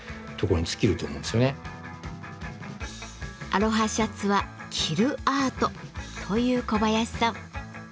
「アロハシャツは着るアート」という小林さん。